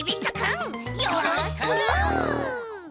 よろしく！